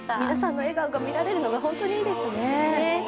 皆さんの笑顔が見られるのが本当にいいですね。